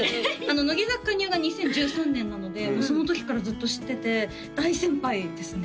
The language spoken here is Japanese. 乃木坂加入が２０１３年なのでそのときからずっと知ってて大先輩ですね